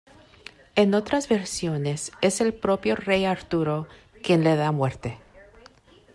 En otras versiones es el propio rey Arturo quien le da muerte.